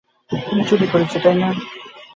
আমি তাই অন্যায়ের তপস্যাকেই প্রচার করি।